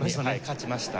勝ちました。